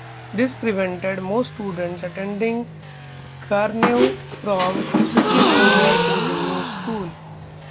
This prevented most students attending Garneau from switching over to the new school.